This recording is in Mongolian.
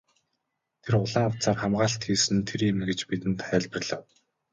Тэр улаан утсаар хамгаалалт хийсэн нь тэр юм гэж бидэнд тайлбарлав.